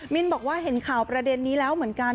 นบอกว่าเห็นข่าวประเด็นนี้แล้วเหมือนกัน